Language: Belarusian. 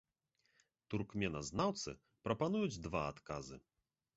Туркменазнаўцы прапануюць два адказы.